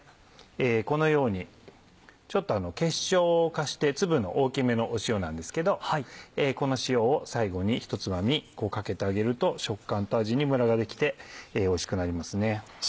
このようにちょっと結晶化して粒の大きめの塩なんですけどこの塩を最後にひとつまみかけてあげると食感と味にムラが出来ておいしくなりますね。